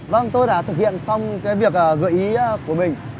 vâng tôi đã thực hiện xong cái việc gợi ý của mình